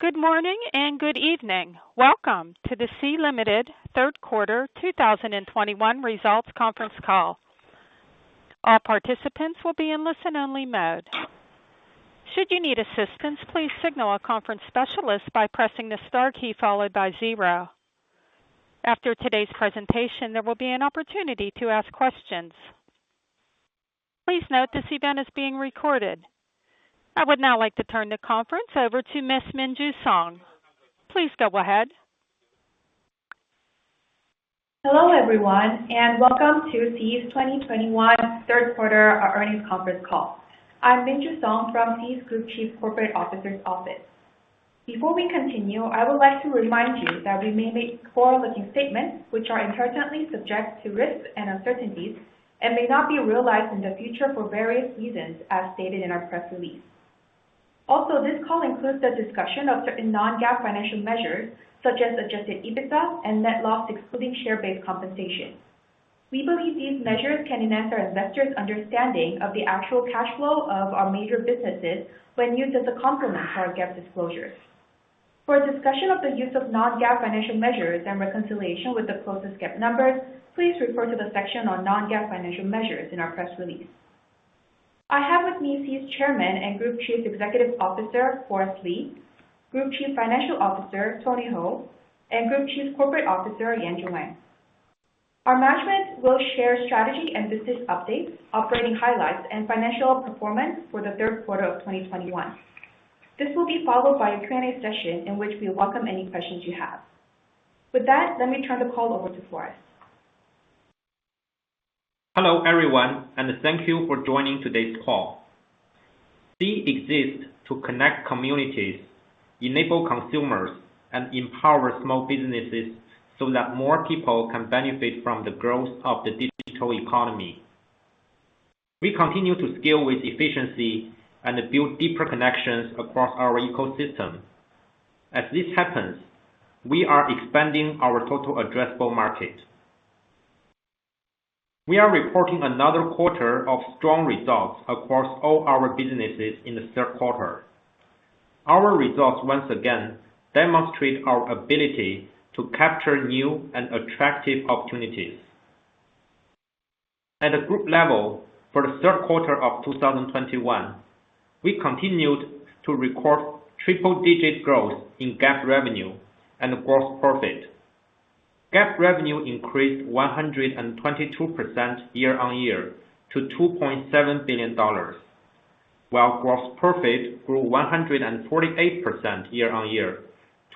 Good morning and good evening. Welcome to the Sea Limited third quarter 2021 results conference call. All participants will be in listen-only mode. Should you need assistance, please signal a conference specialist by pressing the star key followed by zero. After today's presentation, there will be an opportunity to ask questions. Please note this event is being recorded. I would now like to turn the conference over to Ms. Minju Song. Please go ahead. Hello, everyone, and welcome to Sea's 2021 third quarter earnings conference call. I'm Minju Song from Sea's Group Chief Corporate Officer's office. Before we continue, I would like to remind you that we may make forward-looking statements which are inherently subject to risks and uncertainties and may not be realized in the future for various reasons, as stated in our press release. Also, this call includes the discussion of certain non-GAAP financial measures such as adjusted EBITDA and net loss, excluding share-based compensation. We believe these measures can enhance our investors' understanding of the actual cash flow of our major businesses when used as a complement to our GAAP disclosures. For a discussion of the use of non-GAAP financial measures and reconciliation with the closest GAAP numbers, please refer to the section on non-GAAP financial measures in our press release. I have with me Sea's Chairman and Group Chief Executive Officer, Forrest Li, Group Chief Financial Officer, Tony Hou, and Group Chief Corporate Officer, Yanjun Wang. Our management will share strategy and business updates, operating highlights, and financial performance for the third quarter of 2021. This will be followed by a Q&A session in which we welcome any questions you have. With that, let me turn the call over to Forrest. Hello, everyone, and thank you for joining today's call. Sea exists to connect communities, enable consumers, and empower small businesses so that more people can benefit from the growth of the digital economy. We continue to scale with efficiency and build deeper connections across our ecosystem. As this happens, we are expanding our total addressable market. We are reporting another quarter of strong results across all our businesses in the third quarter. Our results once again demonstrate our ability to capture new and attractive opportunities. At a Group level, for the third quarter of 2021, we continued to record triple-digit growth in GAAP revenue and gross profit. GAAP revenue increased 122% year-on-year to $2.7 billion. While gross profit grew 148% year-on-year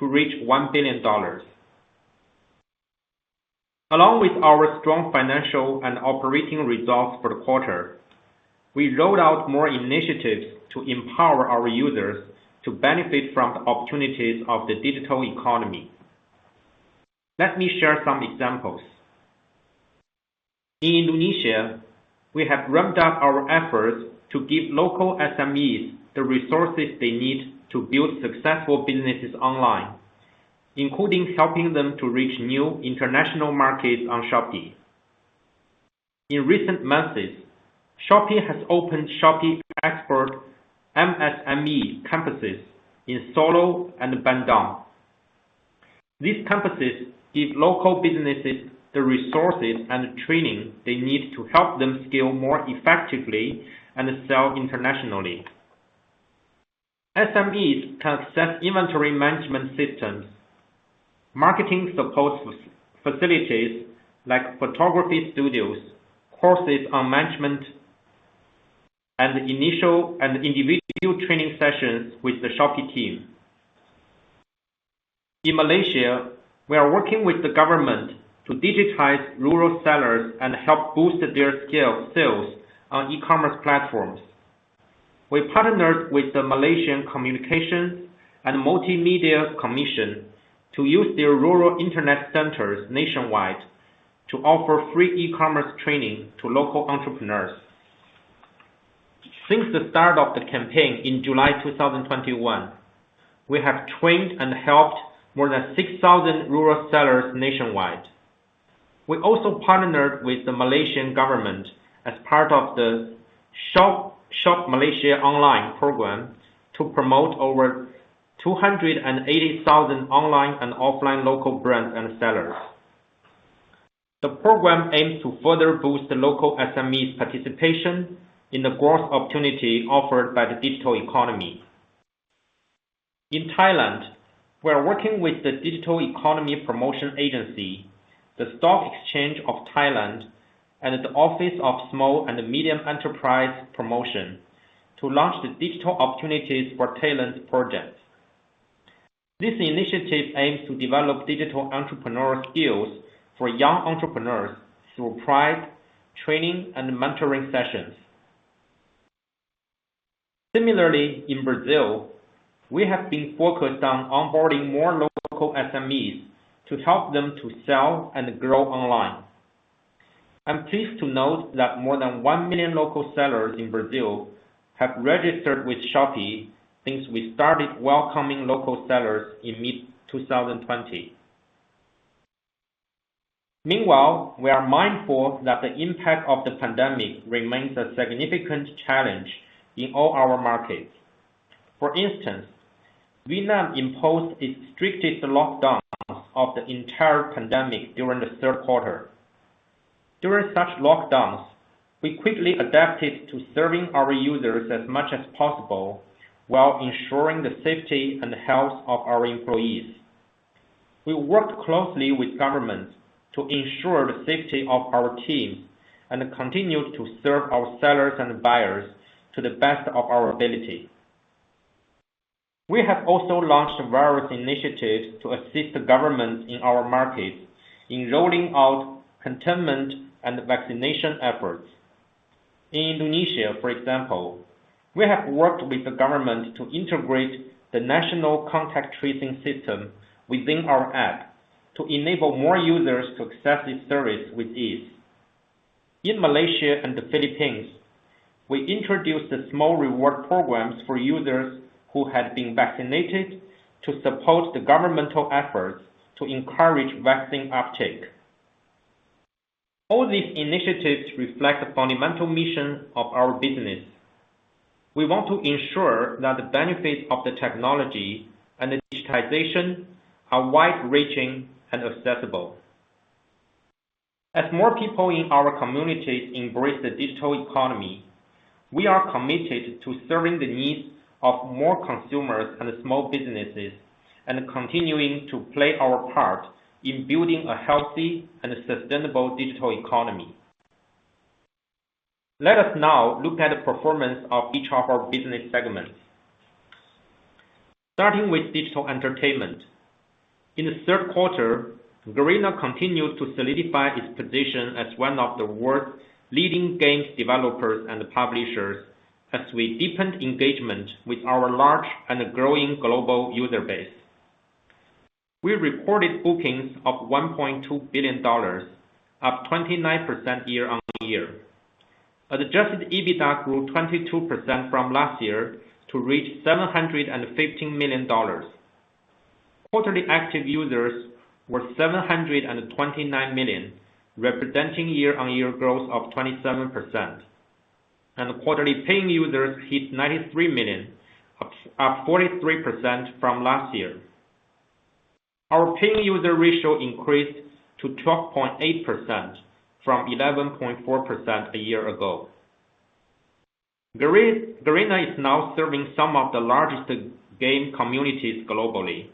to reach $1 billion. Along with our strong financial and operating results for the quarter, we rolled out more initiatives to empower our users to benefit from the opportunities of the digital economy. Let me share some examples. In Indonesia, we have ramped up our efforts to give local SMEs the resources they need to build successful businesses online, including helping them to reach new international markets on Shopee. In recent months, Shopee has opened Shopee Export MSME Campuses in Solo and Bandung. These campuses give local businesses the resources and training they need to help them scale more effectively and sell internationally. SMEs can access inventory management systems, marketing support facilities like photography studios, courses on management and initial and individual training sessions with the Shopee team. In Malaysia, we are working with the government to digitize rural sellers and help boost their scale sales on e-commerce platforms. We partnered with the Malaysian Communications and Multimedia Commission to use their rural internet centers nationwide to offer free e-commerce training to local entrepreneurs. Since the start of the campaign in July 2021, we have trained and helped more than 6,000 rural sellers nationwide. We also partnered with the Malaysian government as part of the Shop Malaysia Online program to promote over 280,000 online and offline local brands and sellers. The program aims to further boost the local SMEs participation in the growth opportunity offered by the digital economy. In Thailand, we are working with the Digital Economy Promotion Agency, the Stock Exchange of Thailand, and the Office of Small and Medium Enterprises Promotion to launch the Digital Opportunities for Thailand project. This initiative aims to develop digital entrepreneurial skills for young entrepreneurs through prize, training, and mentoring sessions. Similarly, in Brazil, we have been focused on onboarding more local SMEs to help them to sell and grow online. I'm pleased to note that more than 1 million local sellers in Brazil have registered with Shopee since we started welcoming local sellers in mid-2020. Meanwhile, we are mindful that the impact of the pandemic remains a significant challenge in all our markets. For instance, Vietnam imposed its strictest lockdowns of the entire pandemic during the third quarter. During such lockdowns, we quickly adapted to serving our users as much as possible while ensuring the safety and health of our employees. We worked closely with governments to ensure the safety of our team and continued to serve our sellers and buyers to the best of our ability. We have also launched various initiatives to assist the government in our markets in rolling out containment and vaccination efforts. In Indonesia, for example, we have worked with the government to integrate the national contact tracing system within our app to enable more users to access this service with ease. In Malaysia and the Philippines, we introduced the small reward programs for users who had been vaccinated to support the governmental efforts to encourage vaccine uptake. All these initiatives reflect the fundamental mission of our business. We want to ensure that the benefits of the technology and the digitization are wide-reaching and accessible. As more people in our communities embrace the digital economy, we are committed to serving the needs of more consumers and small businesses, and continuing to play our part in building a healthy and sustainable digital economy. Let us now look at the performance of each of our business segments. Starting with Digital Entertainment. In the third quarter, Garena continued to solidify its position as one of the world's leading game developers and publishers as we deepened engagement with our large and growing global user base. We reported bookings of $1.2 billion, up 29% year-on-year. Adjusted EBITDA grew 22% from last year to reach $715 million. Quarterly active users were 729 million, representing year-on-year growth of 27%. Quarterly paying users hit 93 million, up 43% from last year. Our paying user ratio increased to 12.8% from 11.4% a year ago. Garena is now serving some of the largest game communities globally,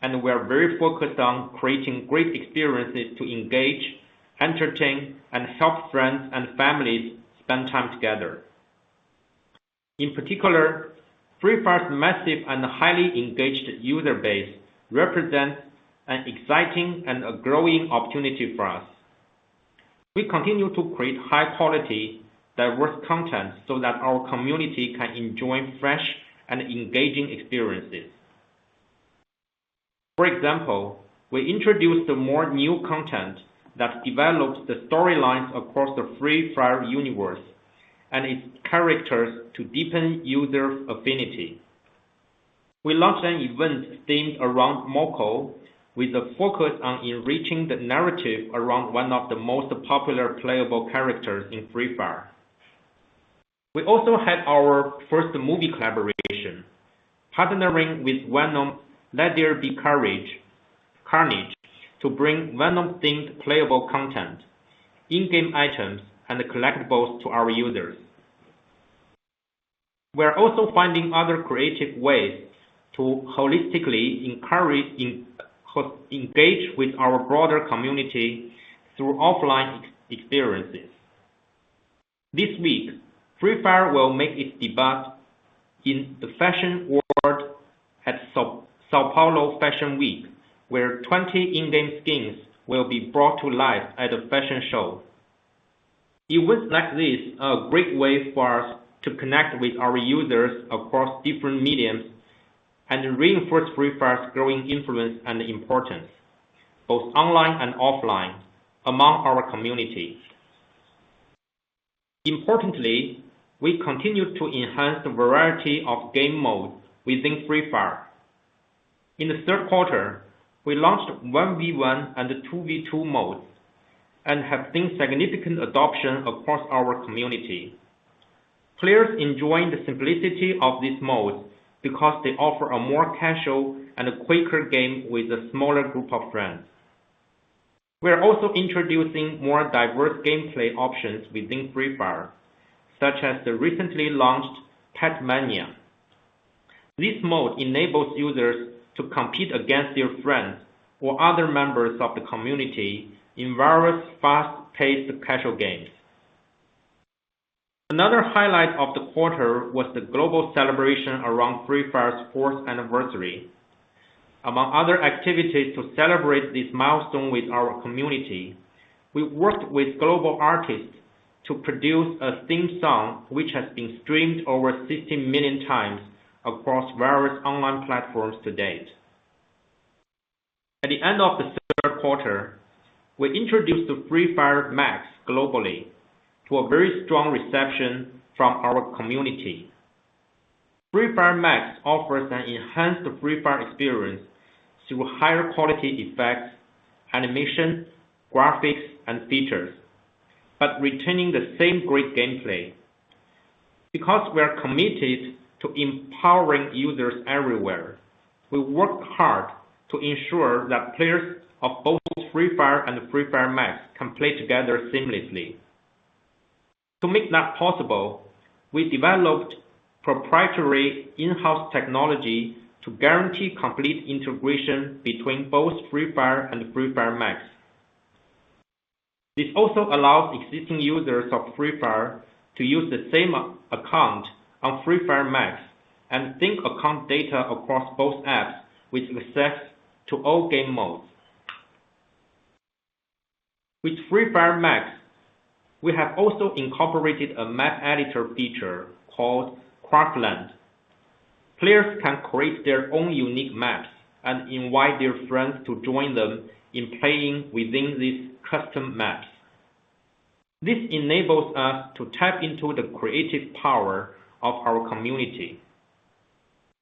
and we are very focused on creating great experiences to engage, entertain, and help friends and families spend time together. In particular, Free Fire's massive and highly engaged user base represents an exciting and a growing opportunity for us. We continue to create high quality, diverse content so that our community can enjoy fresh and engaging experiences. For example, we introduced more new content that developed the storylines across the Free Fire universe and its characters to deepen user affinity. We launched an event themed around Moco, with a focus on enriching the narrative around one of the most popular playable characters in Free Fire. We also had our first movie collaboration, partnering with Venom: Let There Be Carnage to bring Venom-themed playable content, in-game items, and collectibles to our users. We're also finding other creative ways to holistically encourage engagement with our broader community through offline experiences. This week, Free Fire will make its debut in the fashion world at São Paulo Fashion Week, where 20 in-game skins will be brought to life at a fashion show. Events like this are a great way for us to connect with our users across different mediums and reinforce Free Fire's growing influence and importance, both online and offline, among our community. Importantly, we continue to enhance the variety of game modes within Free Fire. In the third quarter, we launched 1 v. 1 and 2 v. 2 modes, and have seen significant adoption across our community. Players are enjoying the simplicity of these modes because they offer a more casual and quicker game with a smaller group of friends. We're also introducing more diverse gameplay options within Free Fire, such as the recently launched Pet Mania. This mode enables users to compete against their friends or other members of the community in various fast-paced casual games. Another highlight of the quarter was the global celebration around Free Fire's fourth anniversary. Among other activities to celebrate this milestone with our community, we worked with global artists to produce a theme song, which has been streamed over 60 million times across various online platforms to date. At the end of the third quarter, we introduced the Free Fire MAX globally to a very strong reception from our community. Free Fire MAX offers an enhanced Free Fire experience through higher quality effects, animation, graphics, and features, but retaining the same great gameplay. Because we are committed to empowering users everywhere, we work hard to ensure that players of both Free Fire and Free Fire MAX can play together seamlessly. To make that possible, we developed proprietary in-house technology to guarantee complete integration between both Free Fire and Free Fire MAX. This also allows existing users of Free Fire to use the same account on Free Fire MAX, and sync account data across both apps with access to all game modes. With Free Fire MAX, we have also incorporated a map editor feature called Craftland. Players can create their own unique maps and invite their friends to join them in playing within these custom maps. This enables us to tap into the creative power of our community.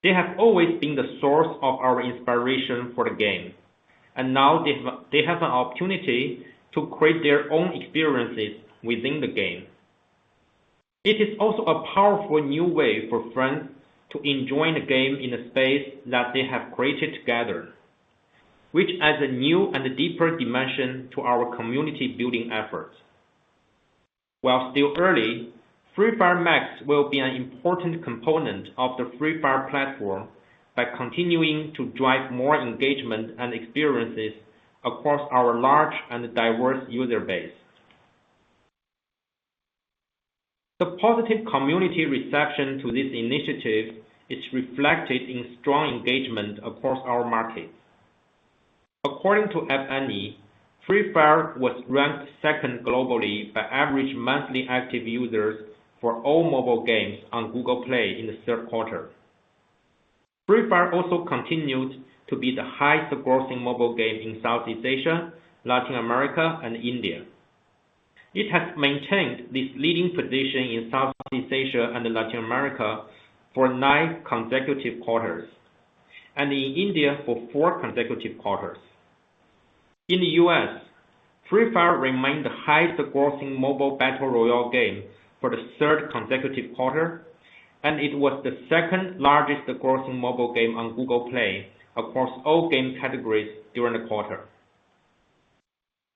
They have always been the source of our inspiration for the game, and now they have an opportunity to create their own experiences within the game. It is also a powerful new way for friends to enjoy the game in a space that they have created together, which adds a new and deeper dimension to our community building efforts. While still early, Free Fire MAX will be an important component of the Free Fire platform by continuing to drive more engagement and experiences across our large and diverse user base. The positive community reception to this initiative is reflected in strong engagement across our markets. According to App Annie, Free Fire was ranked second globally by average monthly active users for all mobile games on Google Play in the third quarter. Free Fire also continued to be the highest grossing mobile game in Southeast Asia, Latin America, and India. It has maintained this leading position in Southeast Asia and Latin America for nine consecutive quarters, and in India for four consecutive quarters. In the U.S., Free Fire remained the highest grossing mobile battle royale game for the third consecutive quarter, and it was the second-largest grossing mobile game on Google Play across all game categories during the quarter.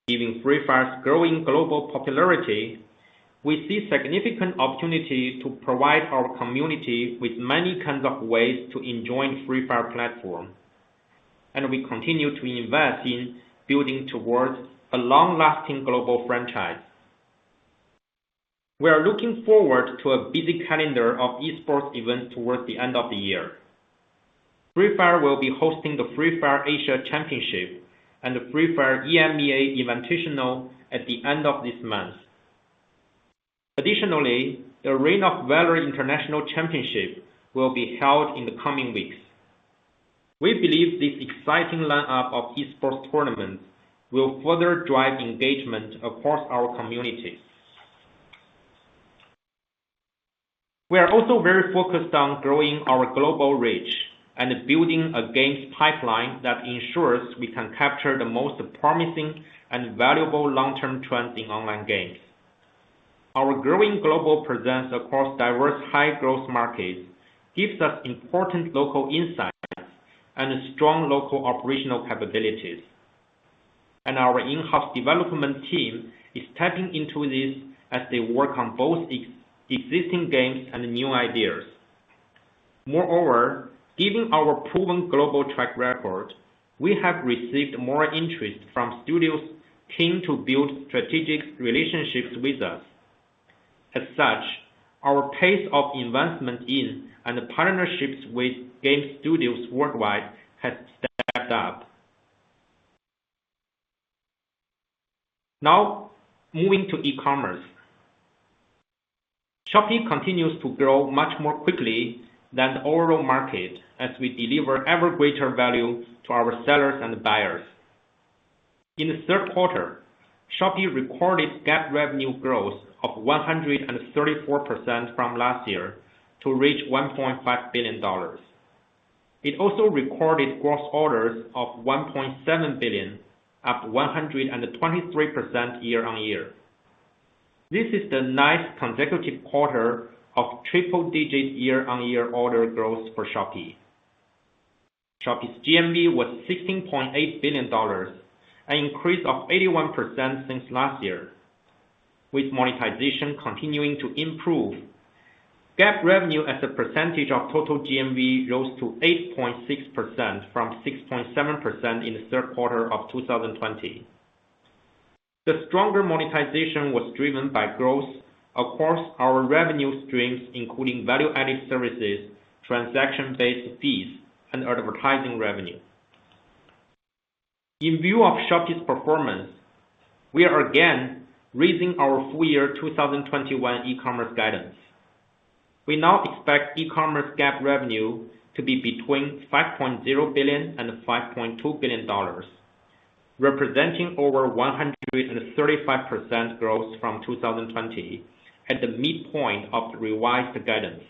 Given Free Fire's growing global popularity, we see significant opportunities to provide our community with many kinds of ways to enjoy Free Fire platform, and we continue to invest in building towards a long-lasting global franchise. We are looking forward to a busy calendar of esports events towards the end of the year. Free Fire will be hosting the Free Fire Asia Championship and the Free Fire EMEA Invitational at the end of this month. Additionally, the Arena of Valor International Championship will be held in the coming weeks. We believe this exciting lineup of esports tournaments will further drive engagement across our communities. We are also very focused on growing our global reach and building a games pipeline that ensures we can capture the most promising and valuable long-term trends in online games. Our growing global presence across diverse high growth markets gives us important local insights and strong local operational capabilities. Our in-house development team is tapping into this as they work on both existing games and new ideas. Moreover, given our proven global track record, we have received more interest from studios keen to build strategic relationships with us. As such, our pace of investment in and partnerships with game studios worldwide has stepped up. Now moving to E-commerce. Shopee continues to grow much more quickly than the overall market as we deliver ever greater value to our sellers and buyers. In the third quarter, Shopee recorded GAAP revenue growth of 134% from last year to reach $1.5 billion. It also recorded gross orders of 1.7 billion, up 123% year-on-year. This is the nineth consecutive quarter of triple-digit year-on-year order growth for Shopee. Shopee's GMV was $16.8 billion, an increase of 81% since last year. With monetization continuing to improve, GAAP revenue as a percentage of total GMV rose to 8.6% from 6.7% in the third quarter of 2020. The stronger monetization was driven by growth across our revenue streams, including value added services, transaction-based fees, and advertising revenue. In view of Shopee's performance, we are again raising our full year 2021 E-commerce guidance. We now expect E-commerce GAAP revenue to be between $5.0 billion and $5.2 billion. Representing over 135% growth from 2020, at the midpoint of the revised guidance.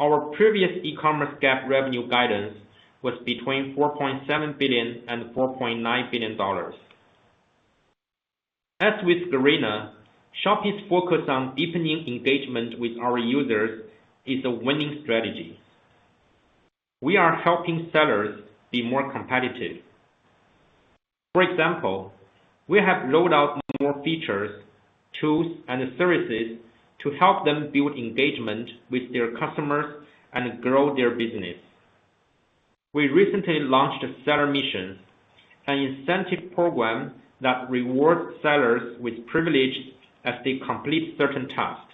Our previous E-commerce GAAP revenue guidance was between $4.7 billion and $4.9 billion. As with Garena, Shopee's focus on deepening engagement with our users is a winning strategy. We are helping sellers be more competitive. For example, we have rolled out more features, tools, and services to help them build engagement with their customers and grow their business. We recently launched Seller Missions, an incentive program that rewards sellers with privilege as they complete certain tasks.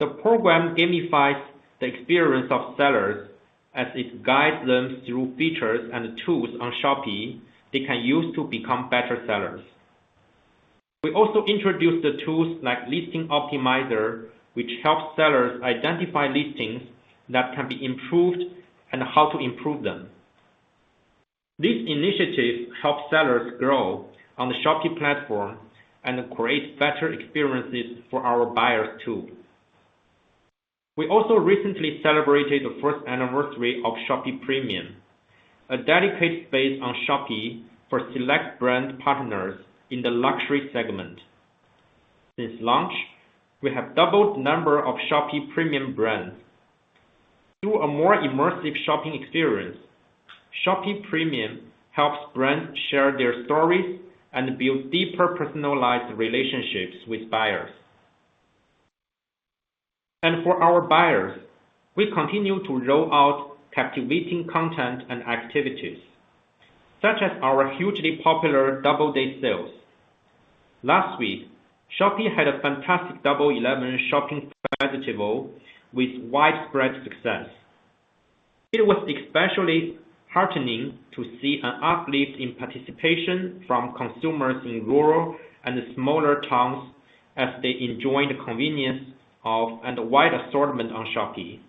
The program gamifies the experience of sellers as it guides them through features and tools on Shopee they can use to become better sellers. We also introduced the tools like Listing Optimizer, which helps sellers identify listings that can be improved and how to improve them. These initiatives help sellers grow on the Shopee platform and create better experiences for our buyers too. We also recently celebrated the first anniversary of Shopee Premium, a dedicated space on Shopee for select brand partners in the luxury segment. Since launch, we have doubled the number of Shopee Premium brands. Through a more immersive shopping experience, Shopee Premium helps brands share their stories and build deeper personalized relationships with buyers. For our buyers, we continue to roll out captivating content and activities, such as our hugely popular Double Day sales. Last week, Shopee had a fantastic 11.11 shopping festival with widespread success. It was especially heartening to see an uplift in participation from consumers in rural and smaller towns as they enjoy the convenience of, and wide assortment on Shopee.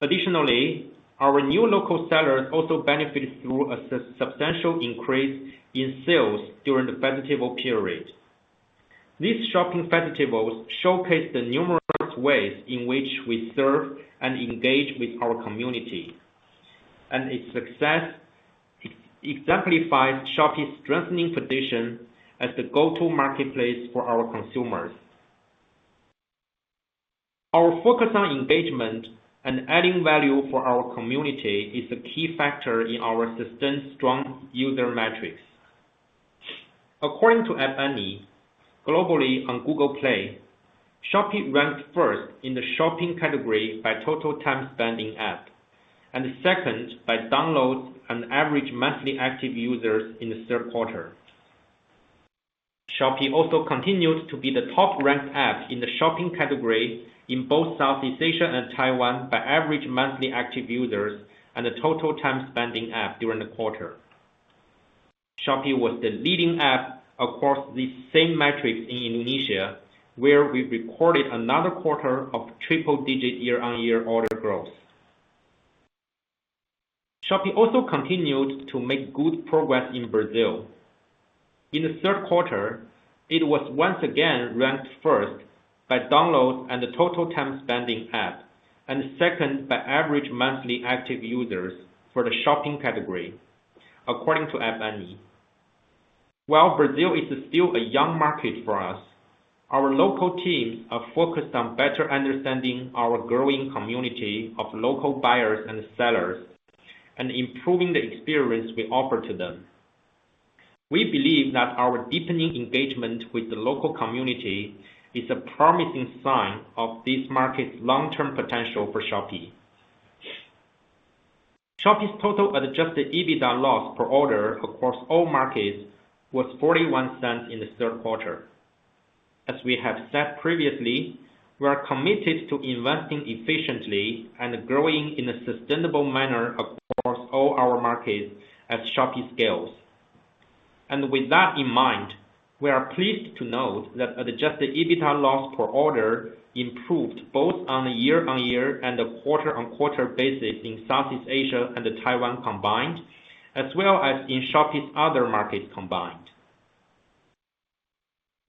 Additionally, our new local sellers also benefited through a substantial increase in sales during the festival period. These shopping festivals showcase the numerous ways in which we serve and engage with our community. Its success exemplifies Shopee's strengthening position as the go-to marketplace for our consumers. Our focus on engagement and adding value for our community is a key factor in our sustained strong user metrics. According to App Annie, globally on Google Play, Shopee ranked first in the shopping category by total time spent in-app, and second by downloads and average monthly active users in the third quarter. Shopee also continued to be the top-ranked app in the shopping category in both Southeast Asia and Taiwan by average monthly active users, and the total time spent in-app during the quarter. Shopee was the leading app across the same metrics in Indonesia, where we recorded another quarter of triple-digit year-on-year order growth. Shopee also continued to make good progress in Brazil. In the third quarter, it was once again ranked first by downloads and the total time spent in-app, and second by average monthly active users for the shopping category, according to App Annie. While Brazil is still a young market for us, our local teams are focused on better understanding our growing community of local buyers and sellers, and improving the experience we offer to them. We believe that our deepening engagement with the local community is a promising sign of this market's long-term potential for Shopee. Shopee's total adjusted EBITDA loss per order across all markets was $0.41 in the third quarter. As we have said previously, we are committed to investing efficiently and growing in a sustainable manner across all our markets as Shopee scales. With that in mind, we are pleased to note that adjusted EBITDA loss per order improved both on a year-on-year and a quarter-on-quarter basis in Southeast Asia and Taiwan combined, as well as in Shopee's other markets combined.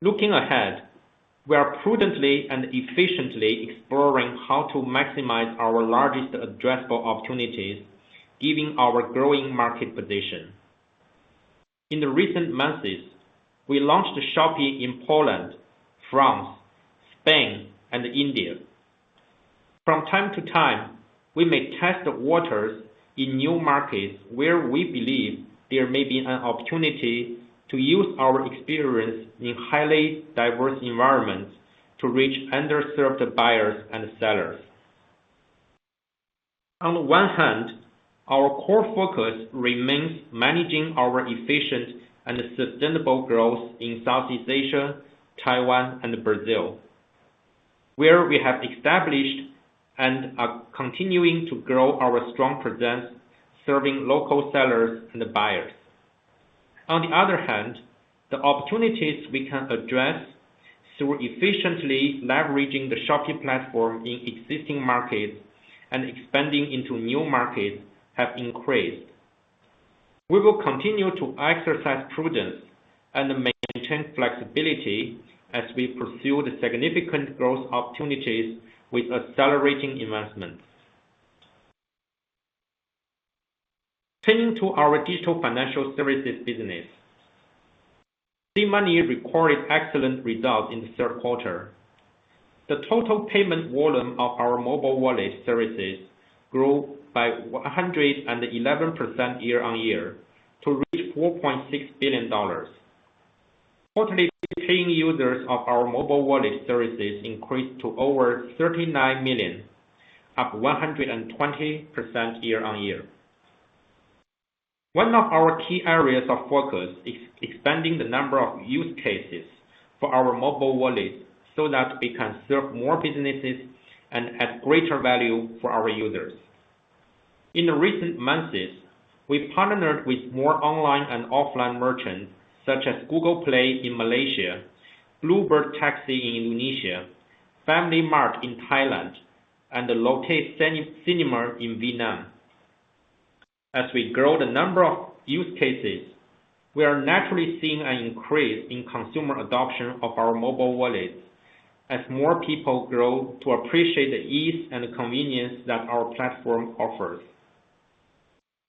Looking ahead, we are prudently and efficiently exploring how to maximize our largest addressable opportunities, given our growing market position. In the recent months, we launched Shopee in Poland, France, Spain, and India. From time to time, we may test the waters in new markets where we believe there may be an opportunity to use our experience in highly diverse environments to reach underserved buyers and sellers. On the one hand, our core focus remains managing our efficient and sustainable growth in Southeast Asia, Taiwan, and Brazil, where we have established and are continuing to grow our strong presence serving local sellers and buyers. On the other hand, the opportunities we can address through efficiently leveraging the Shopee platform in existing markets and expanding into new markets have increased. We will continue to exercise prudence and maintain flexibility as we pursue the significant growth opportunities with accelerating investments. Turning to our Digital Financial Services business. SeaMoney recorded excellent results in the third quarter. The total payment volume of our mobile wallet services grew by 111% year-over-year to reach $4.6 billion. Quarterly paying users of our mobile wallet services increased to over 39 million, up 120% year-over-year. One of our key areas of focus is expanding the number of use cases for our mobile wallet so that we can serve more businesses and add greater value for our users. In the recent months, we've partnered with more online and offline merchants such as Google Play in Malaysia, Bluebird Taxi in Indonesia, FamilyMart in Thailand, and the Lotte Cinema in Vietnam. As we grow the number of use cases, we are naturally seeing an increase in consumer adoption of our mobile wallet as more people grow to appreciate the ease and convenience that our platform offers.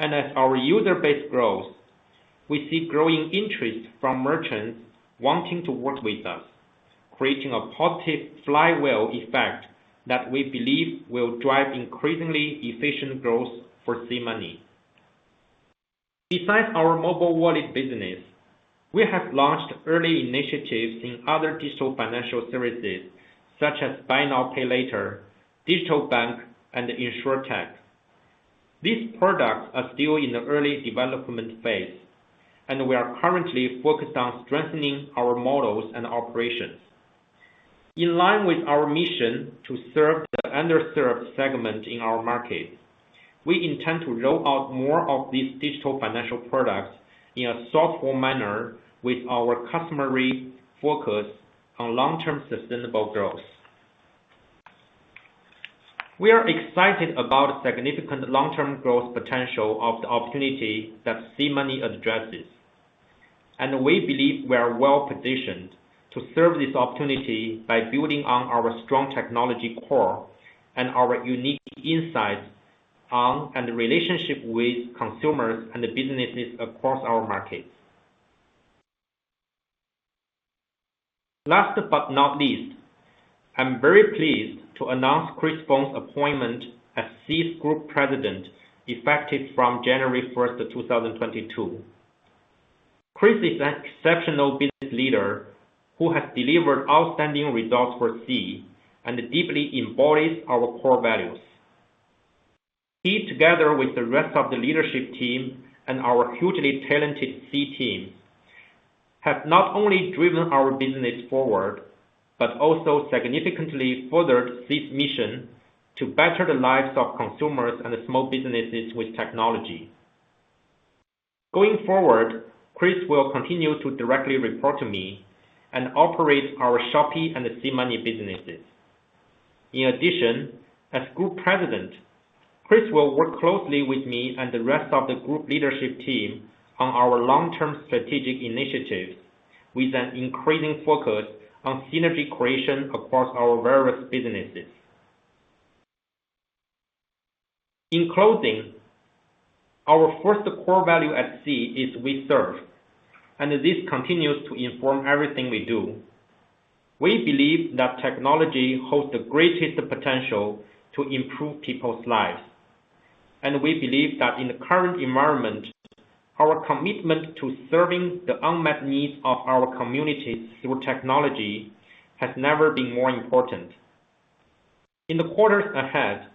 As our user base grows, we see growing interest from merchants wanting to work with us, creating a positive flywheel effect that we believe will drive increasingly efficient growth for SeaMoney. Besides our mobile wallet business, we have launched early initiatives in other digital financial services, such as buy now, pay later, digital bank, and Insurtech. These products are still in the early development phase, and we are currently focused on strengthening our models and operations. In line with our mission to serve the underserved segment in our market, we intend to roll out more of these digital financial products in a thoughtful manner with our customary focus on long-term sustainable growth. We are excited about significant long-term growth potential of the opportunity that SeaMoney addresses. We believe we are well-positioned to serve this opportunity by building on our strong technology core and our unique insights on and relationship with consumers and the businesses across our markets. Last but not least, I'm very pleased to announce Chris Feng's appointment as Sea's Group President, effective from January 1, 2022. Chris is an exceptional business leader who has delivered outstanding results for Sea and deeply embodies our core values. He, together with the rest of the leadership team and our hugely talented Sea team, have not only driven our business forward, but also significantly furthered this mission to better the lives of consumers and small businesses with technology. Going forward, Chris will continue to directly report to me and operate our Shopee and SeaMoney businesses. In addition, as Group President, Chris will work closely with me and the rest of the Group leadership team on our long-term strategic initiatives with an increasing focus on synergy creation across our various businesses. In closing, our first core value at Sea is we serve, and this continues to inform everything we do. We believe that technology holds the greatest potential to improve people's lives. We believe that in the current environment, our commitment to serving the unmet needs of our communities through technology has never been more important. In the quarters ahead,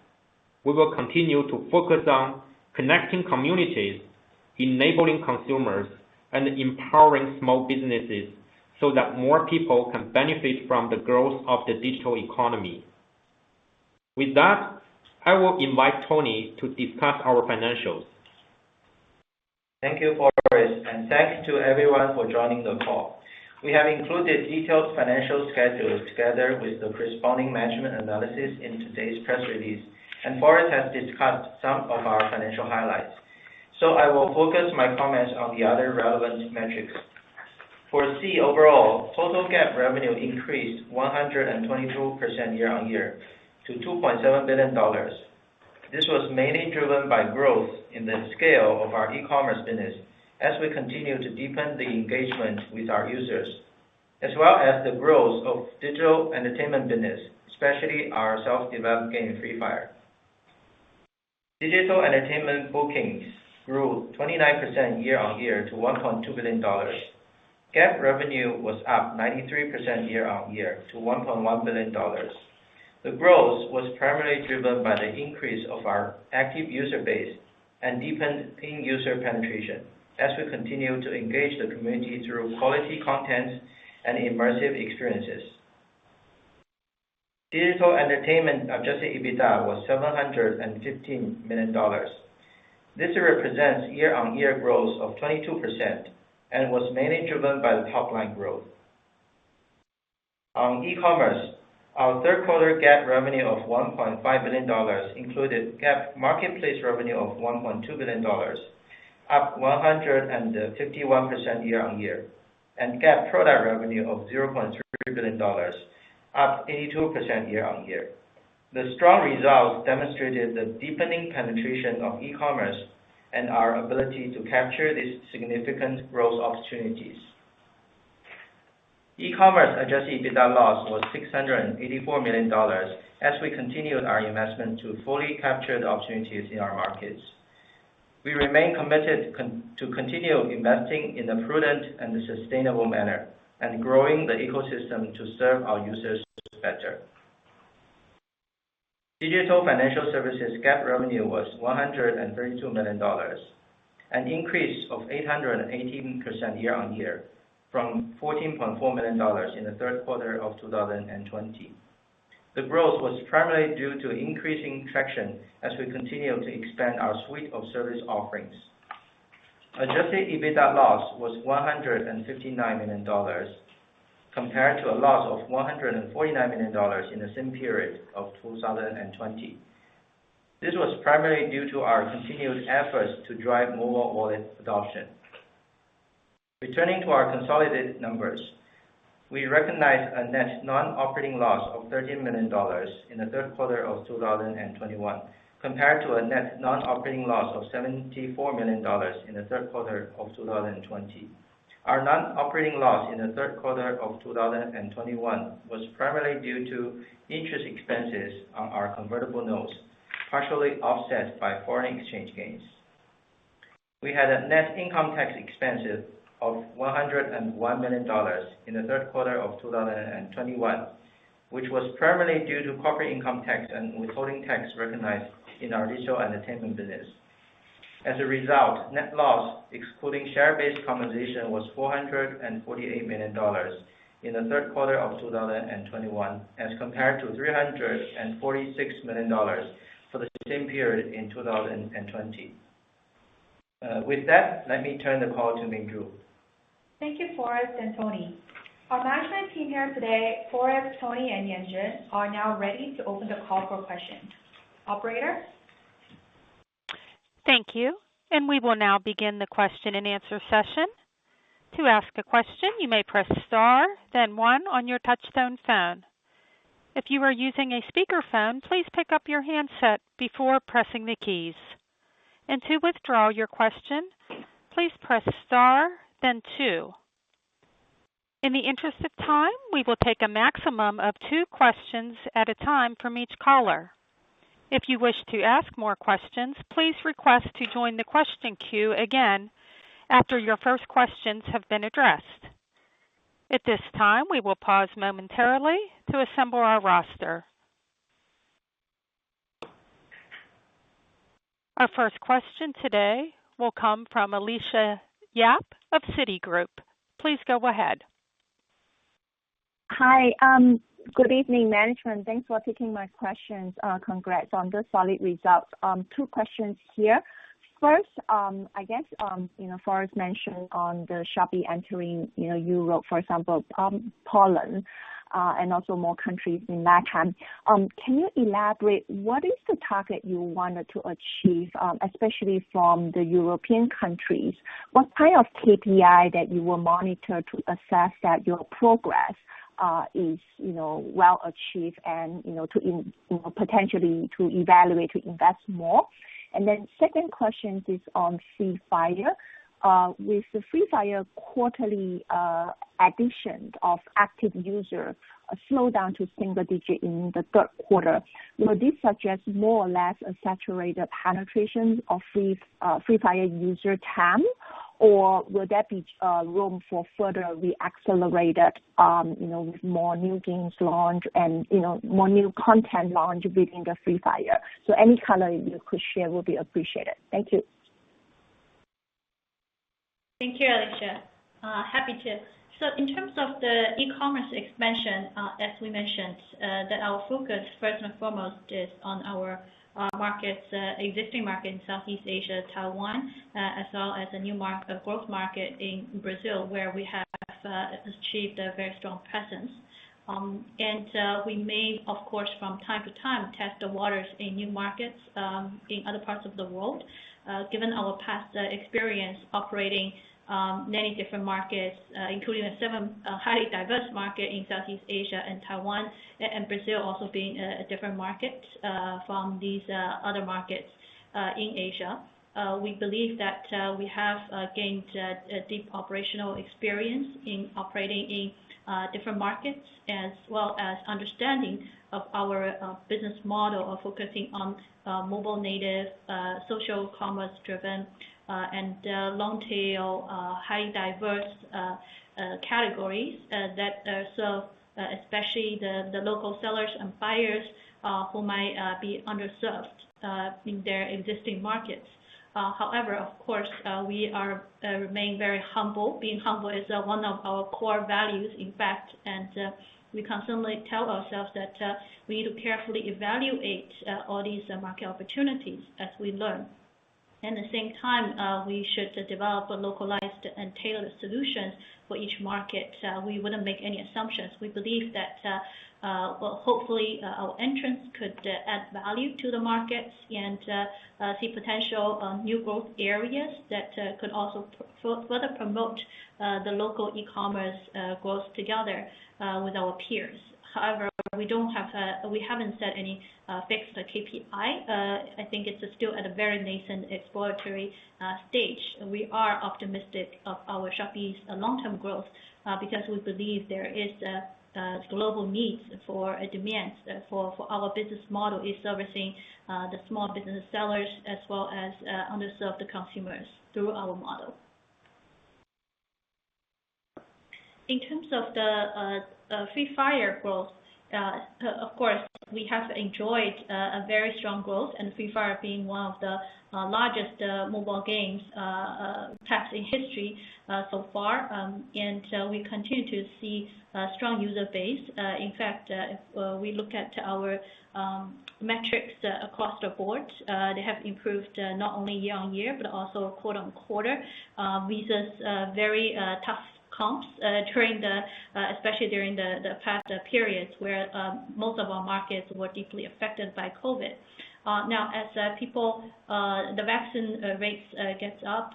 we will continue to focus on connecting communities, enabling consumers, and empowering small businesses so that more people can benefit from the growth of the digital economy. With that, I will invite Tony to discuss our financials. Thank you, Forrest, and thanks to everyone for joining the call. We have included detailed financial schedules together with the corresponding management analysis in today's press release, and Forrest has discussed some of our financial highlights. I will focus my comments on the other relevant metrics. For Sea overall, total GAAP revenue increased 122% year-over-year to $2.7 billion. This was mainly driven by growth in the scale of our E-commerce business as we continue to deepen the engagement with our users, as well as the growth of Digital Entertainment business, especially our self-developed game, Free Fire. Digital entertainment bookings grew 29% year-over-year to $1.2 billion. GAAP revenue was up 93% year-over-year to $1.1 billion. The growth was primarily driven by the increase of our active user base and deepening user penetration as we continue to engage the community through quality content and immersive experiences. Digital Entertainment adjusted EBITDA was $715 million. This represents year-on-year growth of 22% and was mainly driven by the top-line growth. On E-commerce, our third quarter GAAP revenue of $1.5 billion included GAAP marketplace revenue of $1.2 billion, up 151% year-on-year, and GAAP product revenue of $0.3 billion, up 82% year-on-year. The strong results demonstrated the deepening penetration of e-commerce and our ability to capture these significant growth opportunities. E-commerce adjusted EBITDA loss was $684 million as we continued our investment to fully capture the opportunities in our markets. We remain committed to continue investing in a prudent and sustainable manner and growing the ecosystem to serve our users better. Digital Financial Services GAAP revenue was $132 million, an increase of 880% year-on-year from $14.4 million in the third quarter of 2020. The growth was primarily due to increasing traction as we continue to expand our suite of service offerings. Adjusted EBITDA loss was $159 million compared to a loss of $149 million in the same period of 2020. This was primarily due to our continued efforts to drive mobile wallet adoption. Returning to our consolidated numbers, we recognized a net non-operating loss of $13 million in the third quarter of 2021 compared to a net non-operating loss of $74 million in the third quarter of 2020. Our non-operating loss in the third quarter of 2021 was primarily due to interest expenses on our convertible notes, partially offset by foreign exchange gains. We had a net income tax expense of $101 million in the third quarter of 2021, which was primarily due to corporate income tax and withholding tax recognized in our Digital Entertainment business. As a result, net loss excluding share-based compensation was $448 million in the third quarter of 2021 as compared to $346 million for the same period in 2020. With that, let me turn the call to Minju Song. Thank you, Forrest and Tony. Our management team here today, Forrest, Tony, and Yanjun are now ready to open the call for questions. Operator? Thank you. We will now begin the question-and-answer session. To ask a question, you may press star then one on your touch tone phone. If you are using a speaker phone, please pick up your handset before pressing the keys. To withdraw your question, please press star then two. In the interest of time, we will take a maximum of two questions at a time from each caller. If you wish to ask more questions, please request to join the question queue again after your first questions have been addressed. At this time, we will pause momentarily to assemble our roster. Our first question today will come from Alicia Yap of Citigroup. Please go ahead. Hi. Good evening, management. Thanks for taking my questions. Congrats on the solid results. Two questions here. First, I guess, you know, Forrest mentioned on the Shopee entering, you know, Europe, for example, Poland, and also more countries in LatAm. Can you elaborate what is the target you wanted to achieve, especially from the European countries? What kind of KPI that you will monitor to assess that your progress is, you know, well achieved and, you know, to potentially to evaluate to invest more? Then second question is on Free Fire. With the Free Fire quarterly addition of active user slow down to single digit in the third quarter, would this suggest more or less a saturated penetration of Free Fire user TAM, or will there be room for further re-accelerated, you know, with more new games launch and, you know, more new content launch within the Free Fire? Any color you could share will be appreciated. Thank you. Thank you, Alicia. Happy to. In terms of the e-commerce expansion, as we mentioned, that our focus first and foremost is on our existing markets in Southeast Asia, Taiwan, as well as a growth market in Brazil, where we have achieved a very strong presence. We may, of course, from time to time, test the waters in new markets in other parts of the world. Given our past experience operating many different markets, including seven highly diverse markets in Southeast Asia and Taiwan, and Brazil also being a different market from these other markets in Asia, we believe that we have gained a deep operational experience in operating in different markets as well as understanding of our business model of focusing on mobile native social commerce-driven and long tail highly diverse categories that are so especially the local sellers and buyers who might be underserved in their existing markets. However, of course, we remain very humble. Being humble is one of our core values in fact, and we constantly tell ourselves that we need to carefully evaluate all these market opportunities as we learn. At the same time, we should develop a localized and tailored solution for each market. We wouldn't make any assumptions. We believe that, well, hopefully, our entrance could add value to the markets and see potential new growth areas that could also further promote the local e-commerce growth together with our peers. However, we haven't set any fixed KPI. I think it's still at a very nascent exploratory stage. We are optimistic of our Shopee's long-term growth because we believe there is a global need for our business model of servicing the small business sellers as well as underserved consumers through our model. In terms of Free Fire growth, of course, we have enjoyed a very strong growth and Free Fire being one of the largest mobile games, perhaps in history so far. We continue to see a strong user base. In fact, if we look at our metrics across the board, they have improved not only year-over-year but also quarter-over-quarter versus very tough comps, especially during the past periods where most of our markets were deeply affected by COVID. Now, as vaccination rates get up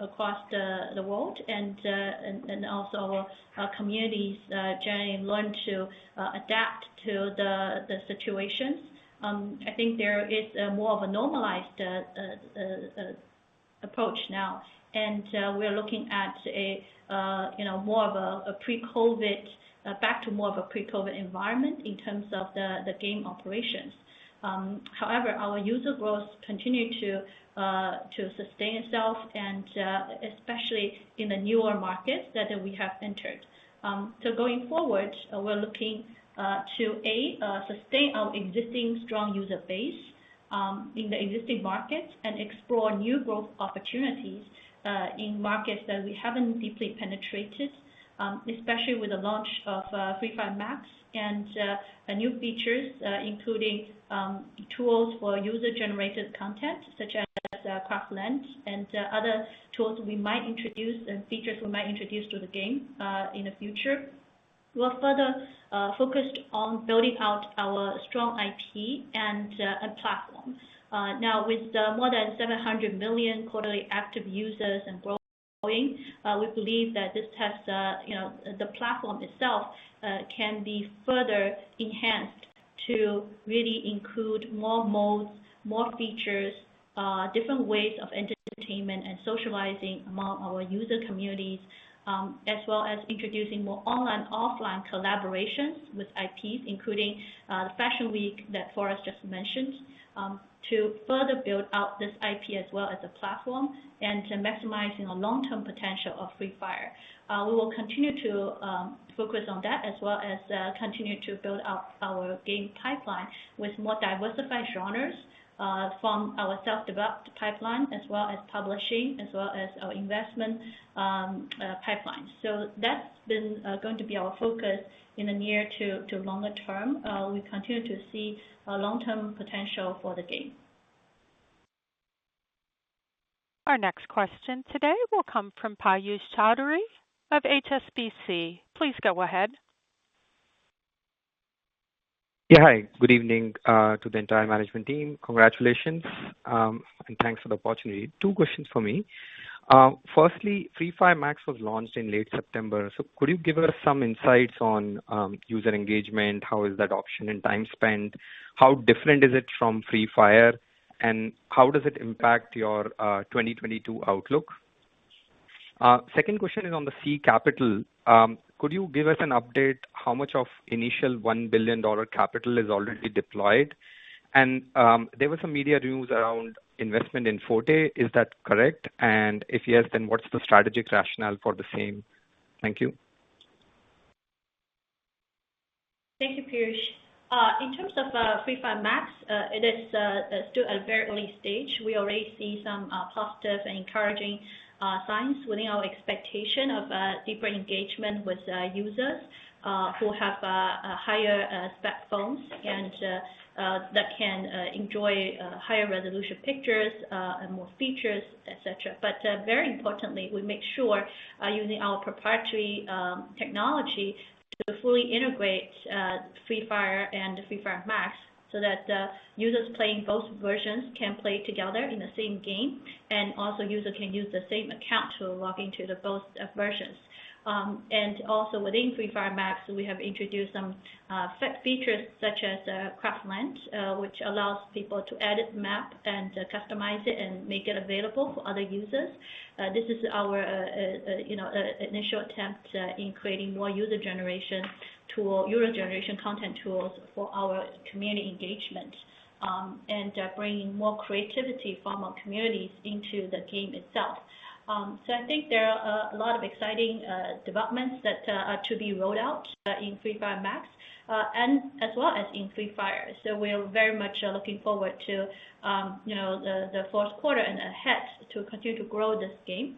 across the world and also our communities generally learn to adapt to the situation, I think there is more of a normalized approach now. We are looking at, you know, more of a pre-COVID back to more of a pre-COVID environment in terms of the game operations. However, our user growth continues to sustain itself and especially in the newer markets that we have entered. Going forward, we're looking to sustain our existing strong user base in the existing markets and explore new growth opportunities in markets that we haven't deeply penetrated, especially with the launch of Free Fire MAX and new features, including tools for user-generated content such as Craftland and other tools we might introduce and features we might introduce to the game in the future. We're further focused on building out our strong IP and platform. Now with more than 700 million quarterly active users and growing, we believe that this has you know the platform itself can be further enhanced to really include more modes, more features, different ways of entertainment and socializing among our user communities, as well as introducing more online/offline collaborations with IPs, including the Fashion Week that Forrest just mentioned, to further build out this IP as well as a platform and to maximizing the long-term potential of Free Fire. We will continue to focus on that as well as continue to build out our game pipeline with more diversified genres from our self-developed pipeline, as well as publishing, as well as our investment pipelines. That's been going to be our focus in the near to longer term. We continue to see a long-term potential for the game. Our next question today will come from Piyush Choudhary of HSBC. Please go ahead. Yeah, hi. Good evening to the entire management team. Congratulations and thanks for the opportunity. Two questions from me. Firstly, Free Fire MAX was launched in late September. Could you give us some insights on user engagement? How is that adoption and time spent? How different is it from Free Fire? And how does it impact your 2022 outlook? Second question is on Sea Capital. Could you give us an update how much of initial $1 billion capital is already deployed? And there were some media news around investment in Forte. Is that correct? And if yes, then what's the strategic rationale for the same? Thank you. Thank you, Piyush. In terms of Free Fire MAX, it is still at a very early stage. We already see some positive and encouraging signs within our expectation of deeper engagement with users who have higher spec phones and that can enjoy higher resolution pictures and more features, et cetera. Very importantly, we make sure using our proprietary technology to fully integrate Free Fire and Free Fire MAX, so that users playing both versions can play together in the same game. Also user can use the same account to log into both versions. Also within Free Fire MAX, we have introduced some features such as Craftland, which allows people to edit map and customize it and make it available for other users. This is our initial attempt in creating more user-generated content tools for our community engagement. Bringing more creativity from our communities into the game itself. I think there are a lot of exciting developments that are to be rolled out in Free Fire MAX and as well as in Free Fire. We are very much looking forward to you know, the fourth quarter and ahead to continue to grow this game.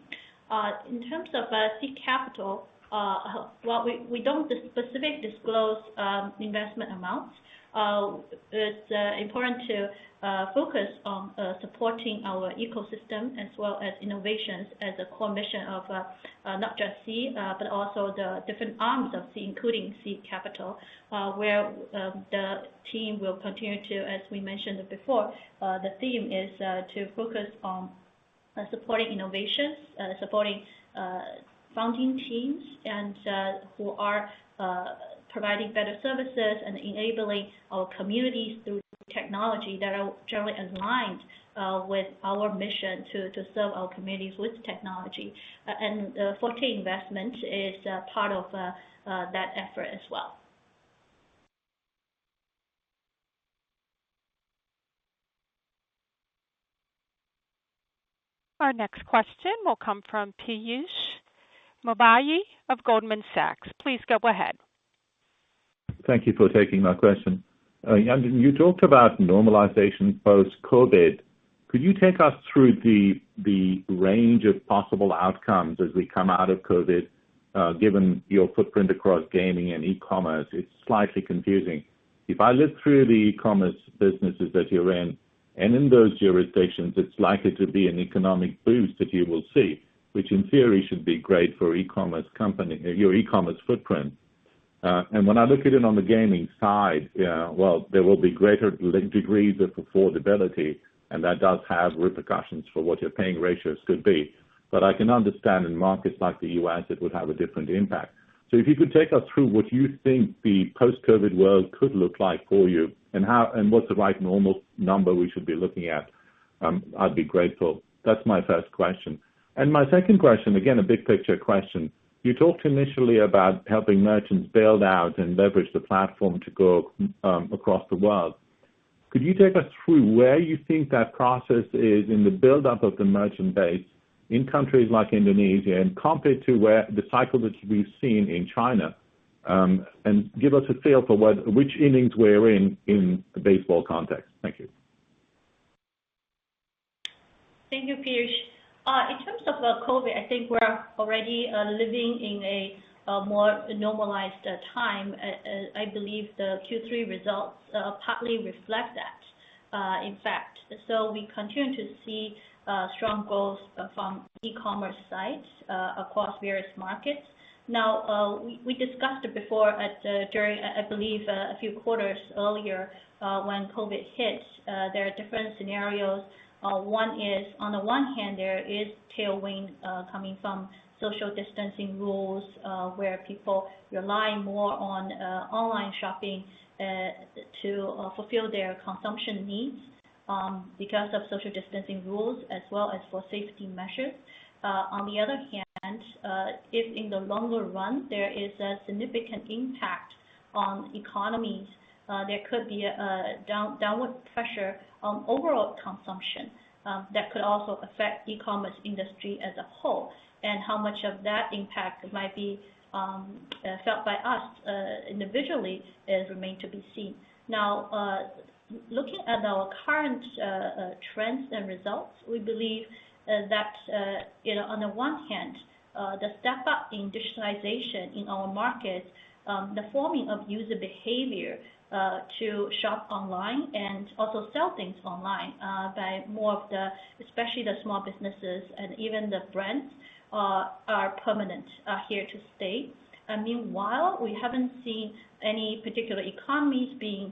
In terms of Sea Capital, well, we don't specifically disclose investment amounts. It's important to focus on supporting our ecosystem as well as innovations as a core mission of not just Sea, but also the different arms of Sea, including Sea Capital, where the team will continue to, as we mentioned before, the theme is to focus on supporting innovations, supporting founding teams and who are providing better services and enabling our communities through technology that are generally aligned with our mission to serve our communities with technology. Forte investments is part of that effort as well. Our next question will come from Piyush Mubayi of Goldman Sachs. Please go ahead. Thank you for taking my question. You talked about normalization post-COVID. Could you take us through the range of possible outcomes as we come out of COVID, given your footprint across gaming and e-commerce? It's slightly confusing. If I look through the e-commerce businesses that you're in, and in those jurisdictions, it's likely to be an economic boost that you will see, which in theory should be great for e-commerce company, your e-commerce footprint. When I look at it on the gaming side, well, there will be greater degrees of affordability, and that does have repercussions for what your paying ratios could be. I can understand in markets like the U.S., it would have a different impact. If you could take us through what you think the post-COVID world could look like for you and how... What's the right normal number we should be looking at? I'd be grateful. That's my first question. My second question, again, a big picture question. You talked initially about helping merchants build out and leverage the platform to go across the world. Could you take us through where you think that process is in the buildup of the merchant base in countries like Indonesia and compare to where the cycle that we've seen in China, and give us a feel for which innings we're in the baseball context. Thank you. Thank you, Piyush. In terms of COVID, I think we're already living in a more normalized time. I believe the Q3 results partly reflect that, in fact. We continue to see strong growth from e-commerce sites across various markets. Now, we discussed before during, I believe, a few quarters earlier, when COVID hit, there are different scenarios. One is on the one hand, there is tailwind coming from social distancing rules, where people rely more on online shopping to fulfill their consumption needs, because of social distancing rules as well as for safety measures. On the other hand, if in the longer run there is a significant impact on economies, there could be a downward pressure on overall consumption, that could also affect e-commerce industry as a whole. How much of that impact might be felt by us individually remains to be seen. Now, looking at our current trends and results, we believe that, you know, on the one hand, the step up in digitalization in our markets, the forming of user behavior to shop online and also sell things online by more of the, especially the small businesses and even the brands are permanent, here to stay. Meanwhile, we haven't seen any particular economies being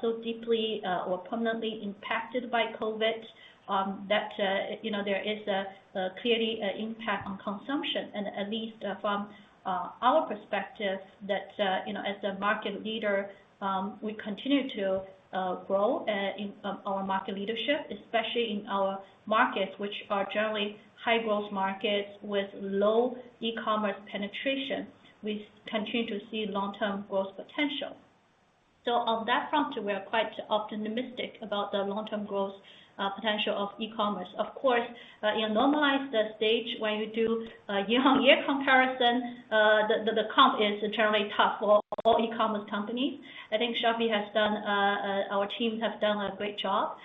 so deeply or permanently impacted by COVID, you know, there is clearly an impact on consumption. At least from our perspective, you know, as a market leader, we continue to grow in our market leadership, especially in our markets, which are generally high growth markets with low e-commerce penetration. We continue to see long-term growth potential. On that front, we are quite optimistic about the long-term growth potential of e-commerce. Of course, in a normalized stage when you do a year-on-year comparison, the comp is generally tough for all e-commerce companies. I think Shopee has done, our team have done a great job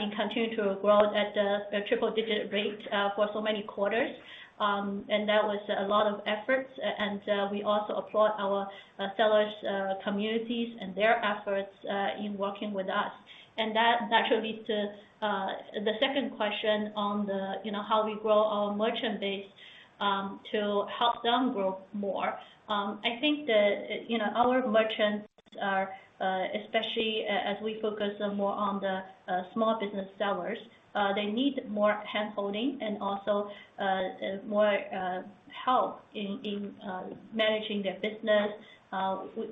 in continuing to grow at a triple-digit rate for so many quarters. That was a lot of efforts. We also applaud our sellers, communities and their efforts in working with us. That naturally leads to the second question on the, you know, how we grow our merchant base to help them grow more. I think that, you know, our merchants are especially as we focus more on the small business sellers, they need more handholding and also more help in managing their business.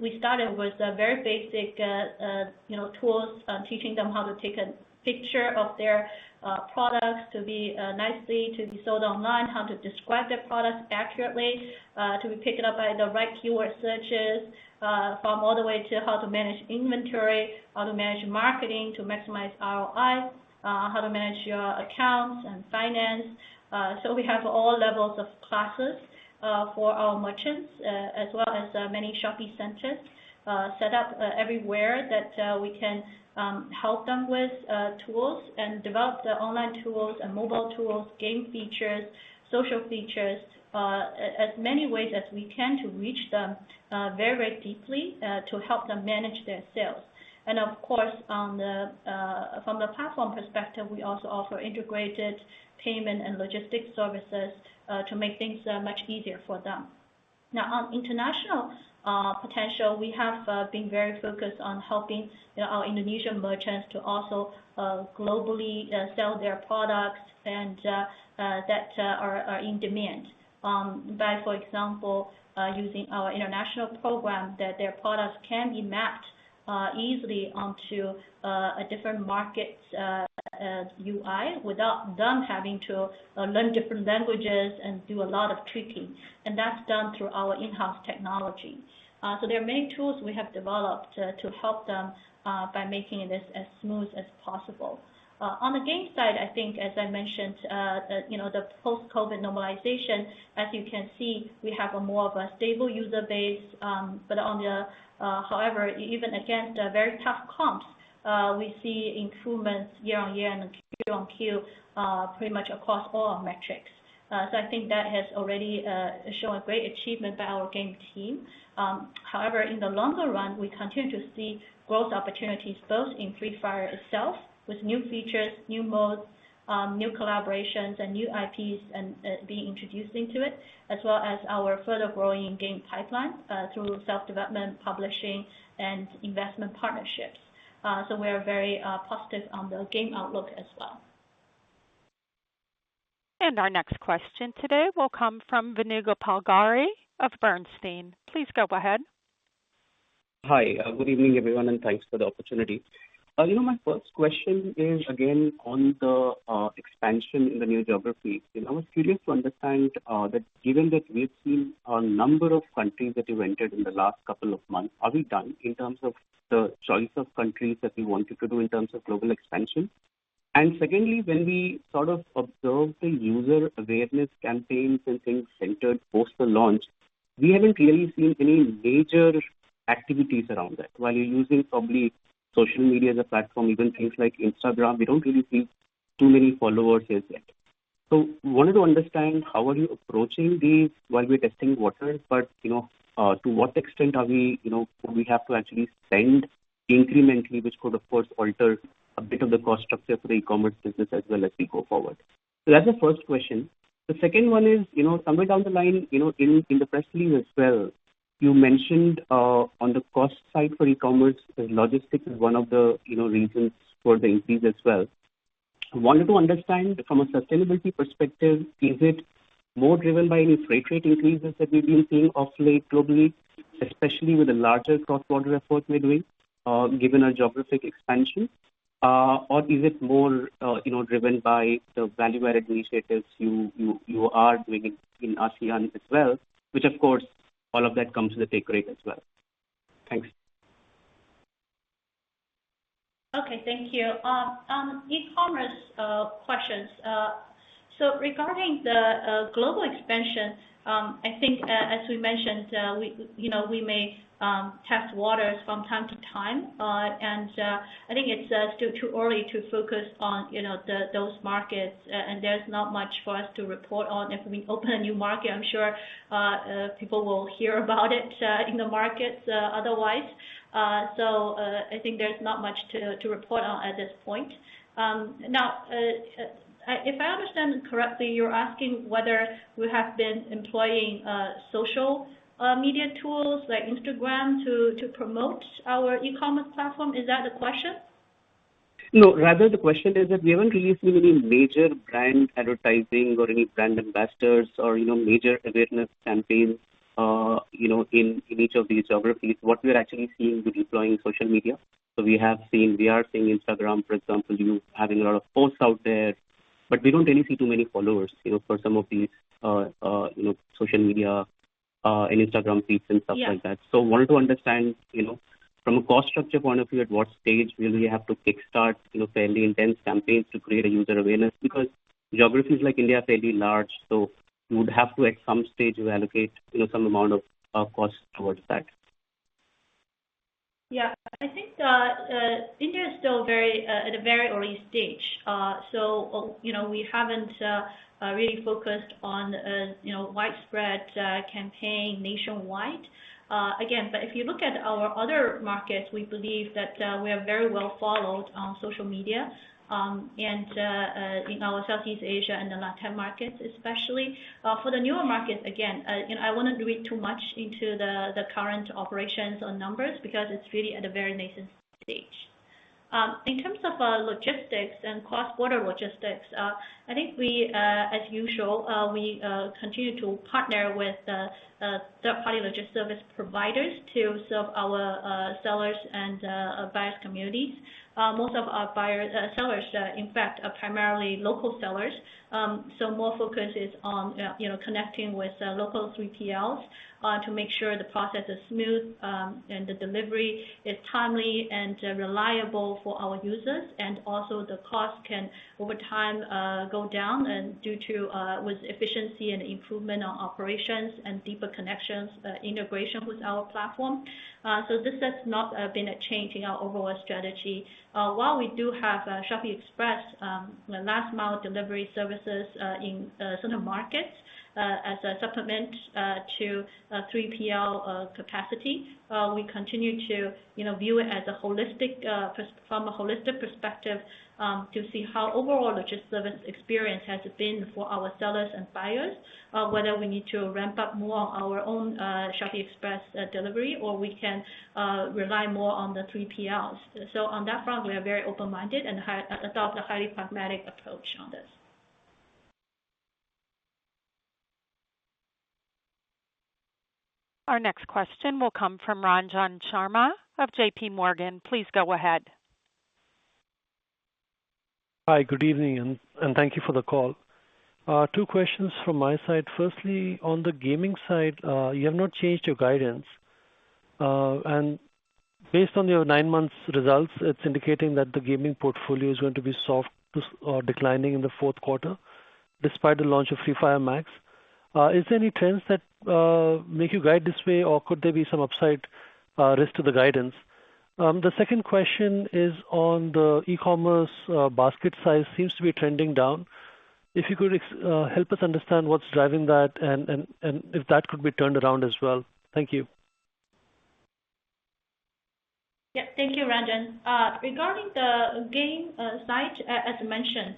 We started with a very basic, you know, tools, teaching them how to take a picture of their products to be nicely to be sold online, how to describe their products accurately, to be picked up by the right keyword searches, from all the way to how to manage inventory, how to manage marketing to maximize ROI, how to manage your accounts and finance. We have all levels of classes for our merchants, as well as many Shopee centers set up everywhere that we can help them with tools. We develop the online tools and mobile tools, game features, social features, as many ways as we can to reach them there very deeply to help them manage their sales. Of course from the platform perspective, we also offer integrated payment and logistics services to make things much easier for them. Now, on international potential, we have been very focused on helping our Indonesian merchants to also globally sell their products and that are in demand. By, for example, using our international program that their products can be mapped easily onto a different market's UI without them having to learn different languages and do a lot of tweaking. That's done through our in-house technology. There are many tools we have developed to help them by making this as smooth as possible. On the game side, I think as I mentioned, you know, the post-COVID normalization, as you can see, we have more of a stable user base. However, even against the very tough comps, we see improvements year-over-year and quarter-over-quarter, pretty much across all our metrics. I think that has already shown a great achievement by our game team. However, in the longer run, we continue to see growth opportunities both in Free Fire itself with new features, new modes, new collaborations and new IPs and being introduced into it, as well as our further growing game pipeline through self-development publishing and investment partnerships. We are very positive on the game outlook as well. Our next question today will come from Venugopal Garre of Bernstein. Please go ahead. Hi, good evening, everyone, and thanks for the opportunity. You know, my first question is again on the expansion in the new geography. I was curious to understand that given that we've seen a number of countries that you've entered in the last couple of months, are we done in terms of the choice of countries that we wanted to do in terms of global expansion? Secondly, when we sort of observe the user awareness campaigns and things centered post the launch, we haven't really seen any major activities around that. While you're using probably social media as a platform, even things like Instagram, we don't really see too many followers there yet. I wanted to understand how are you approaching these while we are testing the waters, but, you know, to what extent are we, you know, we have to actually spend incrementally, which could of course alter a bit of the cost structure for the E-commerce business as well as we go forward. That's the first question. The second one is, you know, somewhere down the line, you know, in the press release as well, you mentioned, on the cost side for E-commerce, logistics is one of the, you know, reasons for the increase as well. I wanted to understand from a sustainability perspective, is it more driven by any freight rate increases that we've been seeing of late globally, especially with the larger cross-border efforts we're doing, given our geographic expansion? Is it more, you know, driven by the value-add initiatives you are doing in ASEAN as well? Which of course all of that comes with a take rate as well. Thanks. Okay, thank you. E-commerce questions. Regarding the global expansion, I think, as we mentioned, we, you know, we may test waters from time to time. I think it's still too early to focus on, you know, those markets, and there's not much for us to report on. If we open a new market, I'm sure people will hear about it in the markets otherwise. I think there's not much to report on at this point. Now, if I understand correctly, you're asking whether we have been employing social media tools like Instagram to promote our e-commerce platform. Is that the question? No. Rather, the question is that we haven't really seen any major brand advertising or any brand investors or, you know, major awareness campaigns, you know, in each of these geographies. What we're actually seeing with deploying social media, we are seeing Instagram, for example, you having a lot of posts out there, but we don't really see too many followers, you know, for some of these, you know, social media and Instagram feeds and stuff like that. Yeah. Wanted to understand, you know, from a cost structure point of view, at what stage will you have to kickstart, you know, fairly intense campaigns to create a user awareness? Because geographies like India are fairly large, so you would have to at some stage allocate, you know, some amount of costs towards that. Yeah. I think India is still very at a very early stage. You know, we haven't really focused on a you know, widespread campaign nationwide. Again, if you look at our other markets, we believe that we are very well followed on social media. In our Southeast Asia and the Latam markets especially. For the newer markets, again, you know, I wouldn't read too much into the current operations or numbers because it's really at a very nascent stage. In terms of logistics and cross-border logistics, I think we, as usual, continue to partner with third-party logistics service providers to serve our seller communities. Most of our buyers, sellers, in fact, are primarily local sellers. More focus is on, you know, connecting with local 3PLs to make sure the process is smooth, and the delivery is timely and reliable for our users. Also the cost can over time go down and due to with efficiency and improvement on operations and deeper connections integration with our platform. This has not been a change in our overall strategy. While we do have Shopee Express last mile delivery services in certain markets as a supplement to 3PL capacity, we continue to, you know, view it as a holistic from a holistic perspective to see how overall logistics service experience has been for our sellers and buyers. whether we need to ramp up more our own Shopee Express delivery or we can rely more on the 3PLs. On that front, we are very open-minded and adopt a highly pragmatic approach on this. Our next question will come from Ranjan Sharma of JPMorgan. Please go ahead. Hi, good evening, and thank you for the call. Two questions from my side. Firstly, on the gaming side, you have not changed your guidance. Based on your nine months results, it's indicating that the gaming portfolio is going to be soft or declining in the fourth quarter, despite the launch of Free Fire MAX. Is there any trends that make you guide this way or could there be some upside risk to the guidance? The second question is on the E-commerce. Basket size seems to be trending down. If you could help us understand what's driving that and if that could be turned around as well. Thank you. Yeah. Thank you, Ranjan. Regarding the game side, as mentioned,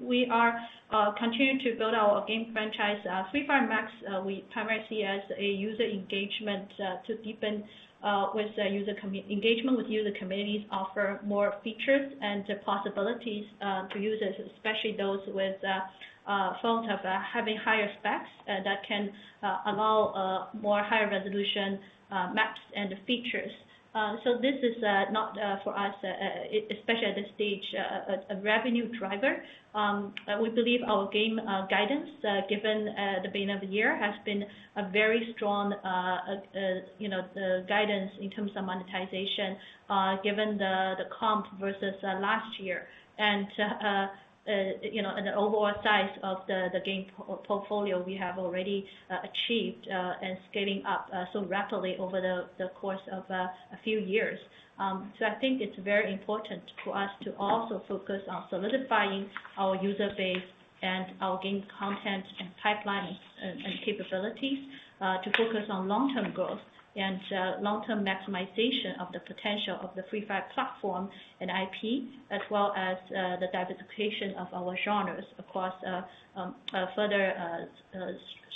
we are continuing to build our game franchise. Free Fire MAX, we primarily see as a user engagement to deepen with user engagement with user communities, offer more features and possibilities to users, especially those with phones having higher specs that can allow more higher resolution maps and features. This is not for us, especially at this stage, a revenue driver. We believe our game guidance given the beginning of the year has been a very strong you know guidance in terms of monetization given the comp versus last year. You know, the overall size of the game portfolio we have already achieved and scaling up so rapidly over the course of a few years. I think it's very important for us to also focus on solidifying our user base and our game content and pipelines and capabilities to focus on long-term growth and long-term maximization of the potential of the Free Fire platform and IP, as well as the diversification of our genres across a further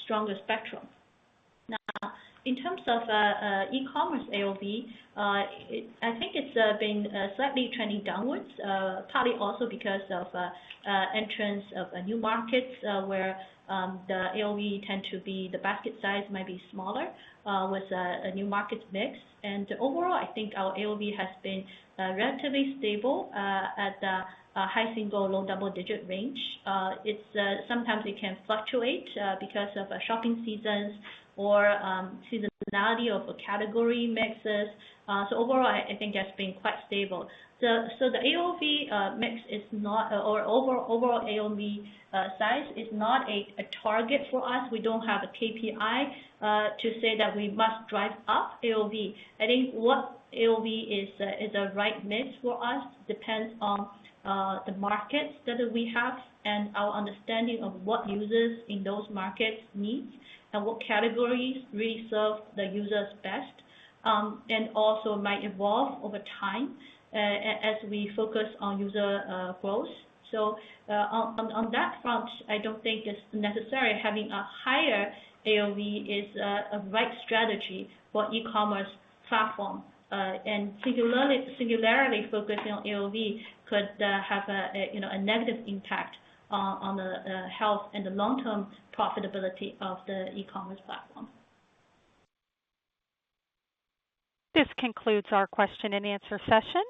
stronger spectrum. Now, in terms of E-commerce AOV, it. I think it's been slightly trending downwards, partly also because of entrance of new markets, where the AOV tend to be the basket size might be smaller with a new market mix. Overall, I think our AOV has been relatively stable at a high single-digit, low double-digit range. It sometimes can fluctuate because of shopping seasons or seasonality of category mixes. Overall I think that's been quite stable. The AOV mix is not, or overall AOV size is not, a target for us. We don't have a KPI to say that we must drive up AOV. I think what AOV is a right mix for us depends on the markets that we have and our understanding of what users in those markets need and what categories really serve the users best, and also might evolve over time as we focus on user growth. On that front, I don't think it's necessary. Having a higher AOV is a right strategy for e-commerce platform. Singularly focusing on AOV could have, you know, a negative impact on the health and the long-term profitability of the e-commerce platform. This concludes our question-and-answer session.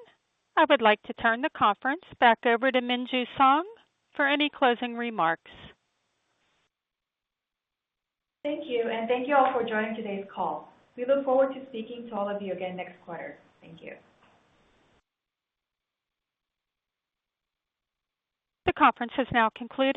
I would like to turn the conference back over to Minju Song for any closing remarks. Thank you, and thank you all for joining today's call. We look forward to speaking to all of you again next quarter. Thank you. The conference has now concluded.